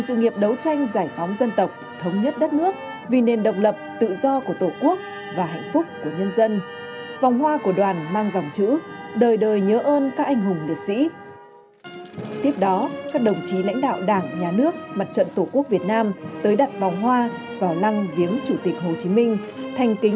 tiếp đó đoàn đã đặt vòng hoa và vào lăng viếng chủ tịch hồ chí minh vòng hoa của đoàn mang dòng chữ đời đời nhớ ơn chủ tịch hồ chí minh vĩ đại